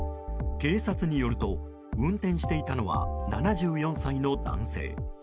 警察によると運転していたのは７４歳の男性。